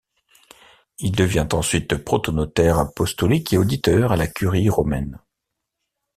Il devient ensuite protonotaire apostolique et auditeur à la curie romaine.